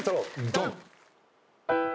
ドン！